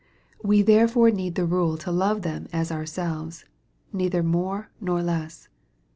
We therefore need the rule to love them as ourselves, neither more nor less.